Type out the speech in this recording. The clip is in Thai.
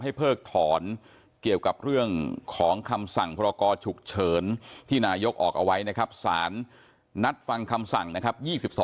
อาคมนี้นะครับ